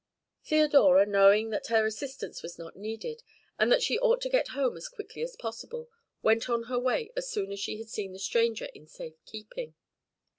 Theodora, knowing that her assistance was not needed, and that she ought to get home as quickly as possible, went on her way as soon as she had seen the stranger in safe keeping.